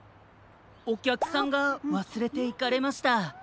おきゃくさんがわすれていかれました。